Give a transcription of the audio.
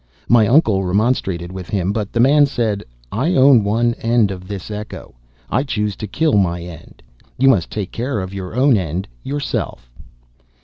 My uncle remonstrated with him, but the man said, �I own one end of this echo; I choose to kill my end; you must take care of your own end yourself.